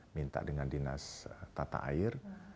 minta dengan dinas tata air